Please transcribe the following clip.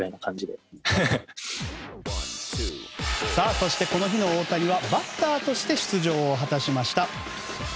そして、この日の大谷はバッターとして出場を果たしました。